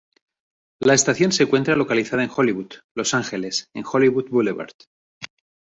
La estación se encuentra localizada en Hollywood, Los Ángeles en Hollywood Boulevard.